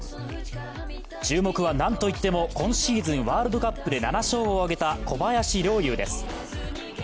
注目は何といっても今シーズンワールドカップで７勝を挙げた小林陵侑です。